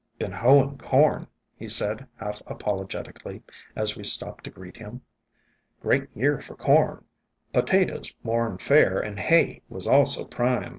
ESCAPED FROM GARDENS "Been hoein' corn," he said, half apologetically, as we stopped to greet him. "Great year for corn. Potatoes more 'n fair, an' hay was also prime.